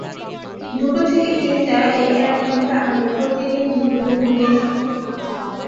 দুটো থেকে তিনটা এই এক ঘন্টা আমি প্রতি দিন দুপুরে ঘুমিয়ে থাকি।